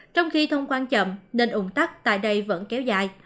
trong khi thông quan chậm nên ủng tắc tại đây vẫn kéo dài